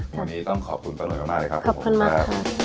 วันนี้ต้องขอบคุณป้านวยมากเลยครับขอบคุณมาก